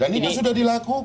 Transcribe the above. dan ini sudah dilakukan